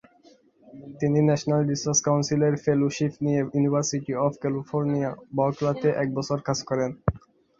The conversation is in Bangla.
তিনি ন্যাশনাল রিসার্চ কাউন্সিলের ফেলোশিপ নিয়ে ইউনিভার্সিটি অব ক্যালিফোর্নিয়া, বার্কলেতে এক বছর কাজ করেন।